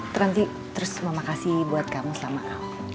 terus mama kasih buat kamu selama lama